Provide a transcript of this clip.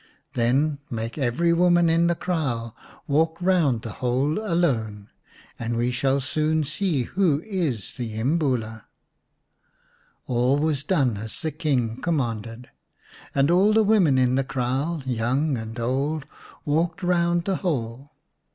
Then make every woman in the kraal walk round the hole alone, and we shall soon see who is the Imbula." All was done as the King commanded, and all the women in the kraal, young and old, walked round the hole.